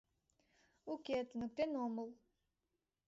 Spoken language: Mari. — Уке, туныктен омыл.